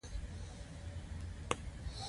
هلمند سیند د افغان تاریخ په کتابونو کې ذکر شوی دی.